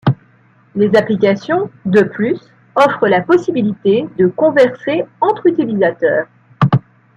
Les applications, de plus, offrent la possibilité de converser entre utilisateurs.